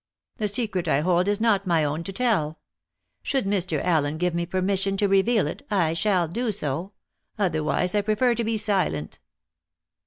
The secret I hold is not my own to tell. Should Mr. Allen give me permission to reveal it, I shall do so; otherwise I prefer to be silent."